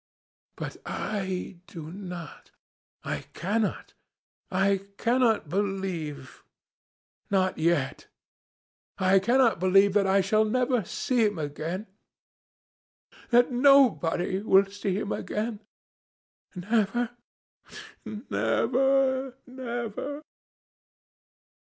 "'But I do not. I cannot I cannot believe not yet. I cannot believe that I shall never see him again, that nobody will see him again, never, never, never.'